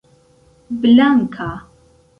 blanka